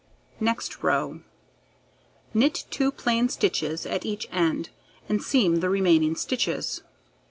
Next row: Knit 2 plain stitches at each edge, and seam the remaining stitches.